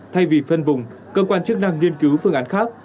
thay vì phân vùng cơ quan chức năng nghiên cứu phương án khác